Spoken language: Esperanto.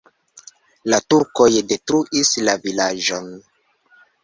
La turkoj detruis la vilaĝon.